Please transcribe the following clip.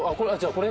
これ？